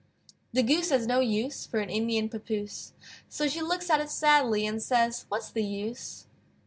The Goose has no use For an Indian pappoose, So she looks at it sadly, And says, "What's the use?"